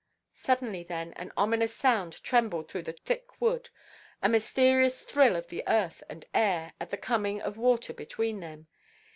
Suddenly then an ominous sound trembled through the thick wood, a mysterious thrill of the earth and air, at the coming of war between them.